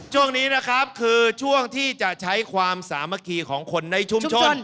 ช่วงนี้นะครับคือช่วงที่จะใช้ความสามัคคีของคนในชุมชน